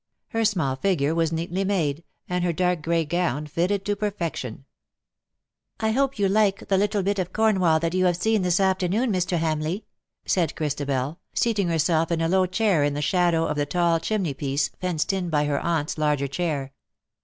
Her small figure was neatly made, and her dark grey gown fitted to perfection. ^^ I hope you like the little bit of Cornwall that you have seen this afternoon, Mr. Hamleigh,^^ said Christabel, seating herself in a low chair in the shadow of the tall chimney piece, fenced in by her aunt^s larger chair.